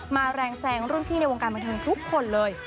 แรงแซงรุ่นพี่ในวงการบันเทิงทุกคนเลย